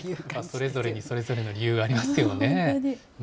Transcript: それぞれにそれぞれの理由がありますよね。